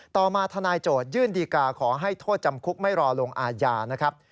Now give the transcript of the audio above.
ต่อมาทนายโจทยื่นดีกาขอให้โทษจำคุกไม่รอลงอาญานะครับ